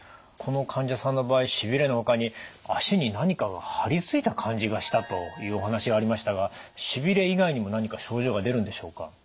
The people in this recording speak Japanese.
この患者さんの場合しびれのほかに足に何かが貼り付いた感じがしたというお話がありましたがしびれ以外にも何か症状が出るんでしょうか？